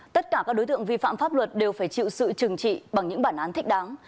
tất cả các đối tượng vi phạm pháp luật đều phải chịu sự trừng trị bằng những bản án thích đáng